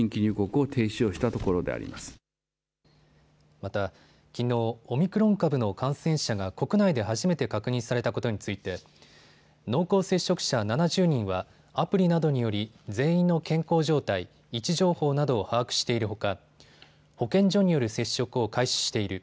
また、きのう、オミクロン株の感染者が国内で初めて確認されたことについて濃厚接触者７０人はアプリなどにより全員の健康状態、位置情報などを把握しているほか保健所による接触を開始している。